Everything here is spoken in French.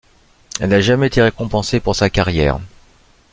Elle n'a jamais été récompensée pour sa carrière.